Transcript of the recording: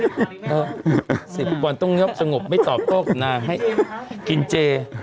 เออสิกกว่าต้องยอบสงบไม่ตอบโต๊ะกุณาให้กินเจ